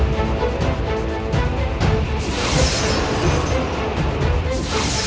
hamba dapat laporan dari prajuritku nyai ratu